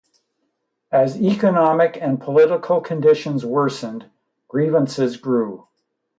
As economic and political conditions worsened, grievances grew.